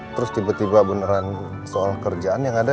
terus tiba tiba beneran soal kerjaan yang ada